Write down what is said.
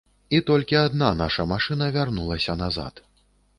І толькі адна наша машына вярнулася назад.